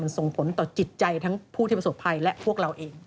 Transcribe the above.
ส่งผลต่อจิตใจทั้งผู้ที่ประสบภัยและพวกเราเอง